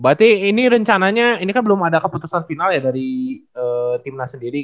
berarti ini rencananya ini kan belum ada keputusan final ya dari tim nas sendiri